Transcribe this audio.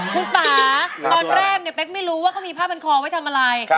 คุณป่าตอนแรกเนี่ยเป๊กไม่รู้ว่าเค้ามีผ้าบรรคอ